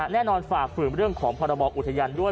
แน่นอนฝากฝึกเรื่องของพรบอกอุทยานด้วย